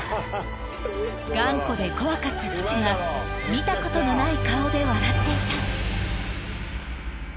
頑固で怖かった父が、見たことのない顔で笑っていた。